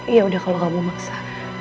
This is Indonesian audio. ya udah kalau gak mau maksa